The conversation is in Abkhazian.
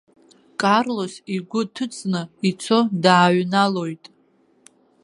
Карлос игәы ҭыҵны ицо дааҩналоит.